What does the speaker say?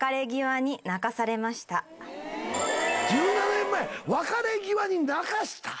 １７年前別れ際に泣かした？